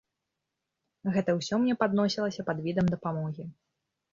Гэта ўсё мне падносілася пад відам дапамогі.